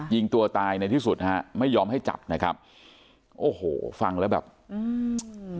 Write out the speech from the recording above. ยิงตัวตายในที่สุดฮะไม่ยอมให้จับนะครับโอ้โหฟังแล้วแบบอืม